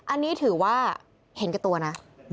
อันนี้ถือว่าเห็นแก่ตัวนะ